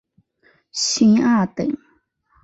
勋二等。